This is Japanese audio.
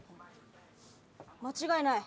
間違いない。